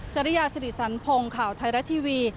จริยาสิริสันพงศ์ข่าวไทยรัฐทีวี